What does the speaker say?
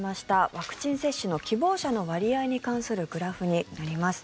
ワクチン接種の希望者の割合に関するグラフになります。